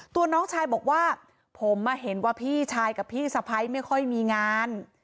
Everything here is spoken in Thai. ตัวน้องชายบอกว่าผมมาเห็นว่าพี่ชายกับพี่สะพ้ายไม่ค่อยมีงาน